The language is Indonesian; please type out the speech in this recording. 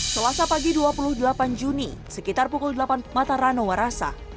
selasa pagi dua puluh delapan juni sekitar pukul delapan matarano warasa